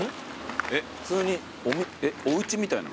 普通におうちみたいな。